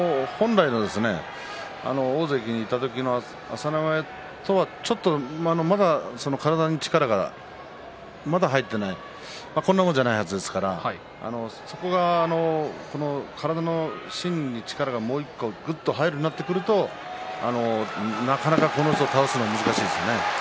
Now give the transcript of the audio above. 大関の時の朝乃山の体の力がまだ入っていないこんなものではないはずですから体の芯に、力がもう一歩ぐっと入るようになってくるとなかなかこの人は倒すのは難しいですね。